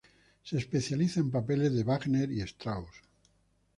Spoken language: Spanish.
Se especializa en papeles de Wagner y Strauss.